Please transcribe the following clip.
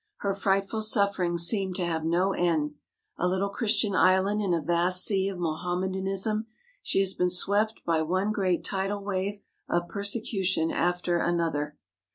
Her frightful i sufferings seem to have no end. A little Chris % tian island in a vast sea of Mohammedanism, • she has been swept by one great tidal wave of persecution after another.